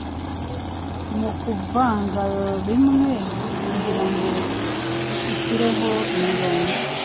Mu kuvanga bimwe kugirango uhyireho imirongo